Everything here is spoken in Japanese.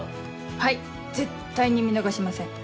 はい絶対に見逃しません。